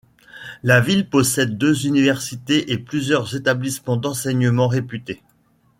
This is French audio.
La ville possède deux universités et plusieurs établissements d'enseignement réputés.